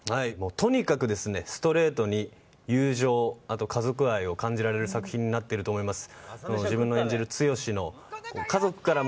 とにかくストレートに、友情あと、家族愛を感じられる作品になっていると思います。